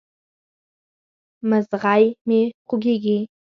مځغی مي خوږیږي